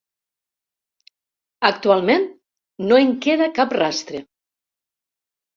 Actualment no en queda cap rastre.